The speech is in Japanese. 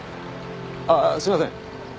ああすいません